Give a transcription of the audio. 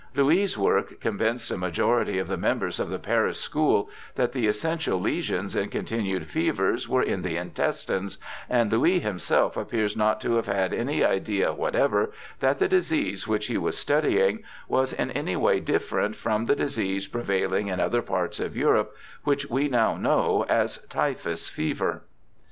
Louis' work convinced a majority of the members of the Paris school that the essential lesions in continued fevers were in the intestines, and Louis himself appears not to have had any idea whatever that the disease which he was o 2 ig6 BIOGRAPHICAL ESSAYS studying was in any way different from the disease prevailing in other parts of Europe which we now know as typhus fever.